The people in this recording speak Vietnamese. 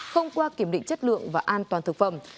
không qua kiểm định chất lượng và an toàn thực phẩm